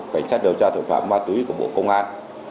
cảnh sát điều tra tội phạm ma túy của bộ công an